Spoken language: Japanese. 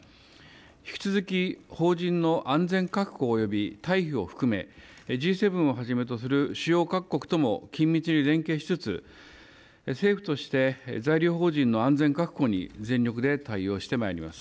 引き続き邦人の安全確保および退避を含めＧ７をはじめとする主要各国とも緊密に連携しつつ政府として在留邦人の安全確保に全力で対応してまいります。